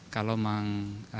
kalau ditugaskan oleh presiden